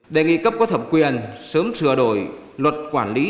đề nghị cấp có thẩm quyền sớm sửa đổi luật quản lý